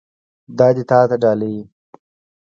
دا دې تا ته ډالۍ وي.